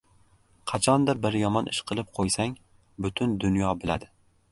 qachondir bir yomon ish qilib qo‘ysang — butun dunyo biladi.